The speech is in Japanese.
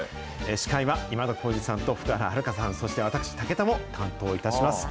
司会は今田耕司さんと福原遥さん、そして私、武田も担当いたします。